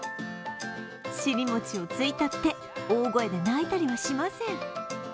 尻餅をついたって、大声で泣いたりはしません。